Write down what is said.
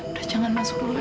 udah jangan masuk dulu ya